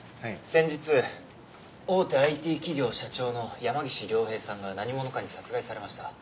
先日大手ＩＴ企業社長の山岸凌平さんが何者かに殺害されました。